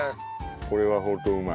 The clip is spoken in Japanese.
これはホントうまい。